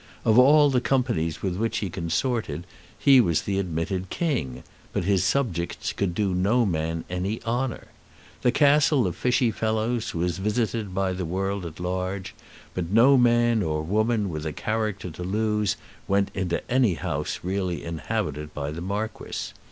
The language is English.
Of all the companies with which he consorted he was the admitted king, but his subjects could do no man any honour. The Castle of Fichy Fellows was visited by the world at large, but no man or woman with a character to lose went into any house really inhabited by the Marquis.